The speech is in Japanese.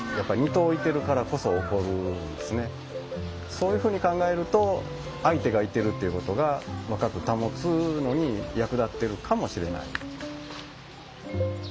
そういうふうに考えると相手がいてるっていうことが若く保つのに役立ってるかもしれない。